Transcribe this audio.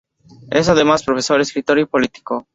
Es además, profesor, escritor y político.